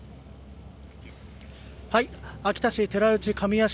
秋田市寺内神屋敷